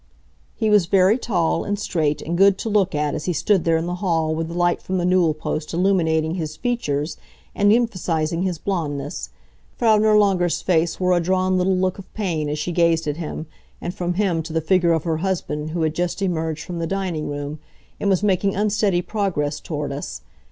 He was very tall, and straight and good to look at as he stood there in the hall with the light from the newel post illuminating his features and emphasizing his blondness. Frau Nirlanger's face wore a drawn little look of pain as she gazed at him, and from him to the figure of her husband who had just emerged from the dining room, and was making unsteady progress toward us.